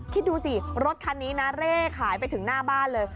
คิดดูสิรถคันนี้นะเร่ขายไปถึงหน้าบ้านเลย